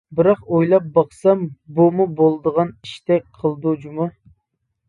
بىراق ئويلاپ باقسام بۇمۇ بولىدىغان ئىشتەك قىلىدۇ جۇمۇ!